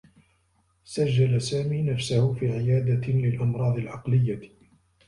سجّل سامي نفسه في عيادة للأمراض العقليّة.